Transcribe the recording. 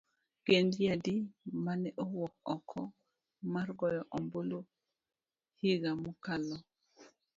Gin ji adi ma ne owuok oko mar goyo ombulu higa mokalo.